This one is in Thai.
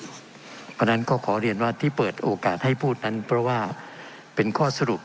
เพราะฉะนั้นก็ขอเรียนว่าที่เปิดโอกาสให้พูดนั้นเพราะว่าเป็นข้อสรุป